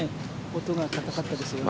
音が硬かったですよね。